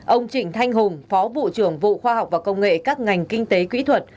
ông trịnh thanh hùng phó vụ trưởng vụ khoa học và công nghệ các ngành kinh tế quỹ thuật